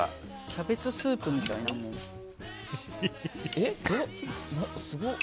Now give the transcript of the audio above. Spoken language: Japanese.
キャベツスープみたいな？え、すご。